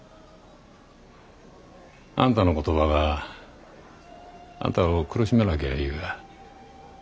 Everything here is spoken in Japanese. あんたの言葉があんたを苦しめなきゃいいが。